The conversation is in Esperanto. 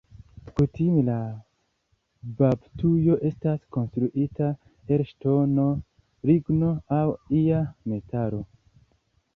Kutime la baptujo estas konstruita el ŝtono, ligno aŭ ia metalo.